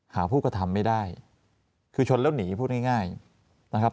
หาผู้กระทำไม่ได้คือชนแล้วหนีพูดง่ายนะครับ